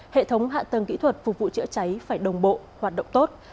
hệ thống hạ tầng kỹ thuật phục vụ chữa cháy phải đồng bộ hoạt động tốt